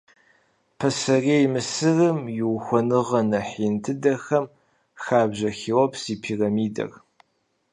Пасэрей Мысырым и ухуэныгъэ нэхъ ин дыдэхэм хабжэ Хеопс и пирамидэр.